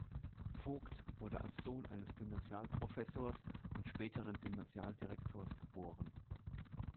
Vogt wurde als Sohn eines Gymnasialprofessors und späteren Gymnasialdirektors geboren.